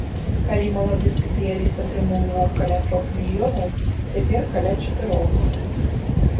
Калі малады спецыяліст атрымоўваў каля трох мільёнаў, цяпер каля чатырох.